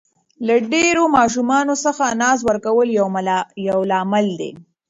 له ډېرو ماشومانو څخه ناز ورکول یو لامل دی.